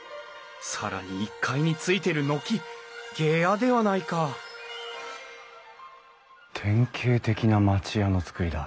更に１階についてる軒下屋ではないか典型的な町家の造りだ。